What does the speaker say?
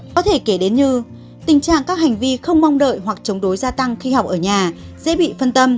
có thể kể đến như tình trạng các hành vi không mong đợi hoặc chống đối gia tăng khi học ở nhà dễ bị phân tâm